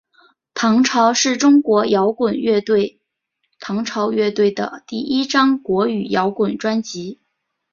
唐朝是中国摇滚乐队唐朝乐队的第一张国语摇滚专辑。